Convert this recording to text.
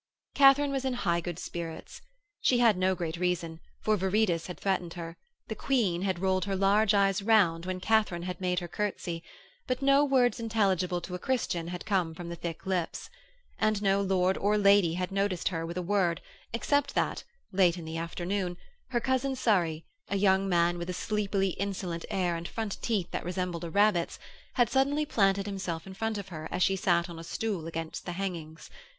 Katharine was in high good spirits. She had no great reason, for Viridus had threatened her; the Queen had rolled her large eyes round when Katharine had made her courtesy, but no words intelligible to a Christian had come from the thick lips; and no lord or lady had noticed her with a word except that, late in the afternoon, her cousin Surrey, a young man with a sleepily insolent air and front teeth that resembled a rabbit's, had suddenly planted himself in front of her as she sat on a stool against the hangings.